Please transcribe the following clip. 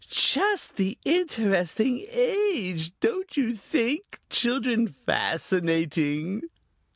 "Just the interesting age. Don't you think children fascinating?"